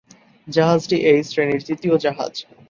জাহাজটি এই শ্রেণির তৃতীয় জাহাজ।